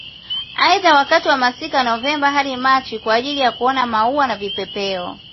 Aidha wakati wa masika Novemba hadi Machi kwa ajili ya kuona maua na vipepeo